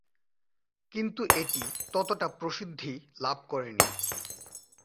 কিন্তু এটি ততটা প্রসিদ্ধি লাভ করেনি।